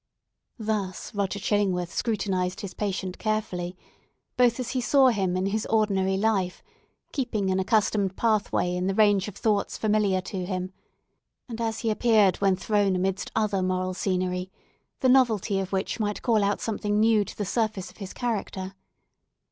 Thus Roger Chillingworth scrutinised his patient carefully, both as he saw him in his ordinary life, keeping an accustomed pathway in the range of thoughts familiar to him, and as he appeared when thrown amidst other moral scenery, the novelty of which might call out something new to the surface of his character.